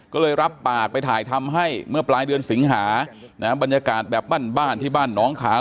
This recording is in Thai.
ก็เลยรับปากไปถ่ายทำให้เมื่อปลายเดือนสิงหาบรรยากาศแบบบ้านที่บ้านน้องขาว